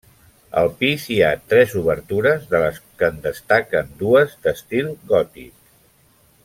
Al pis hi ha tres obertures, de les que en destaquen dues d'estil gòtic.